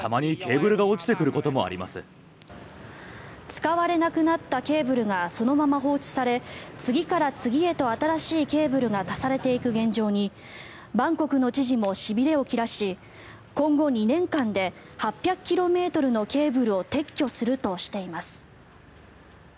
使われなくなったケーブルがそのまま放置され次から次へと新しいケーブルが足されていく現状にバンコクの知事もしびれを切らし今後２年間で８００ｋｍのケーブルを撤去するとしています。